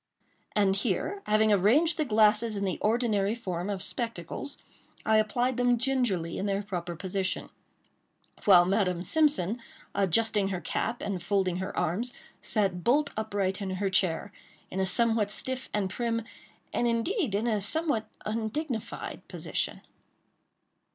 And here, having arranged the glasses in the ordinary form of spectacles, I applied them gingerly in their proper position; while Madame Simpson, adjusting her cap, and folding her arms, sat bolt upright in her chair, in a somewhat stiff and prim, and indeed, in a somewhat undignified position.